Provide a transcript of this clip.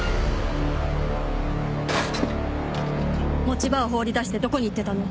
持ち場を放り出してどこに行ってたの？